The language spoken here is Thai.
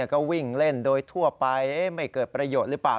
ก็วิ่งเล่นโดยทั่วไปไม่เกิดประโยชน์หรือเปล่า